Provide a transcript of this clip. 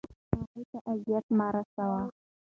هغوی ته اذیت مه رسوئ.